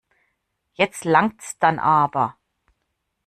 Jetzt langts dann aber.